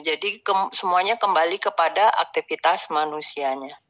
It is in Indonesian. jadi semuanya kembali kepada aktivitas manusianya